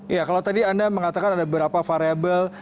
ya kalau tadi anda mengatakan ada beberapa variable